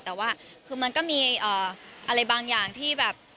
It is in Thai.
แต่ว่าคือมันก็มีอะไรบางอย่างที่แบบ